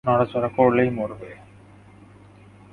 নড়াচড়া করলেই মরবে!